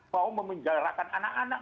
mau memenjarakan anak anak